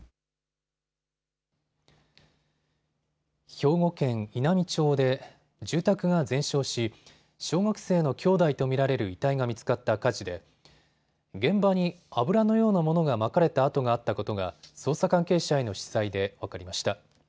兵庫県稲美町で住宅が全焼し小学生の兄弟と見られる遺体が見つかった火事で現場に油のようなものがまかれた跡があったことが捜査関係者への取材で分かりました。